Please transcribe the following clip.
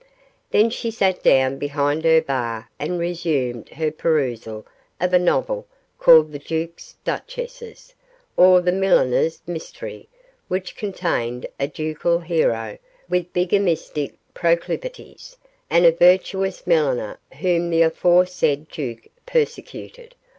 Then she sat down behind her bar and resumed her perusal of a novel called 'The Duke's Duchesses, or The Milliner's Mystery,' which contained a ducal hero with bigamistic proclivities, and a virtuous milliner whom the aforesaid duke persecuted.